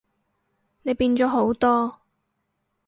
你變咗好多